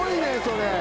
それ。